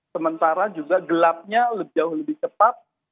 sementara juga gelapnya jauh lebih cepat